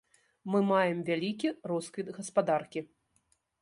Мы маем вялікі росквіт гаспадаркі.